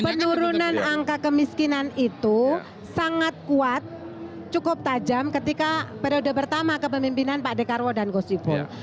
penurunan angka kemiskinan itu sangat kuat cukup tajam ketika periode pertama kepemimpinan pak dekarwo dan gus ipul